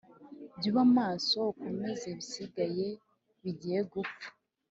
Jya uba maso ukomeze ibisigaye bigiye gupfa,